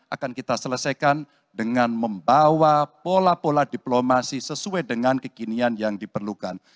akan kita selesaikan dengan membawa pola pola diplomasi sesuai dengan kekinian yang diperlukan